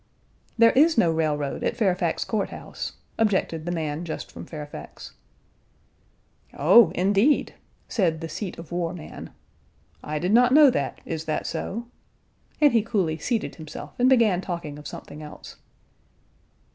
"There is no railroad at Fairfax Court House," objected the man just from Fairfax. "Oh! Indeed!" said the seat of war man, "I did not know that; is that so?" And he coolly seated himself and began talking of something else.